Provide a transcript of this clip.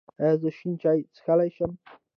ایا زه شین چای څښلی شم؟